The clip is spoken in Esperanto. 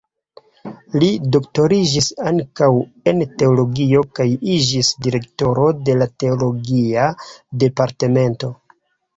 Li doktoriĝis ankaŭ en teologio kaj iĝis direktoro de la teologia departemento.